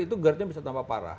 itu gerdnya bisa tambah parah